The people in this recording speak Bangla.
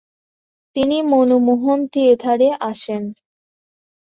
তিনি মনোমোহন থিয়েটারে আসেন।